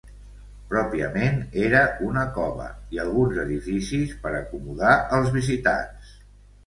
Pròpiament era una cova i alguns edificis per acomodar els visitants.